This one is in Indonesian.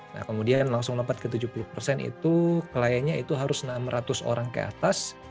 nah kemudian langsung dapat ke tujuh puluh persen itu kliennya itu harus enam ratus orang ke atas